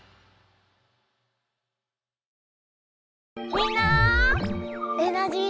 みんなエナジー